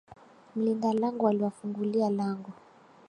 Mlinda lango aliwafungulia lango